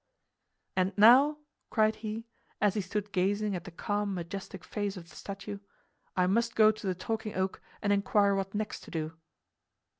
"And now," cried he, as he stood gazing at the calm, majestic face of the statue, "I must go to the Talking Oak and inquire what next to do."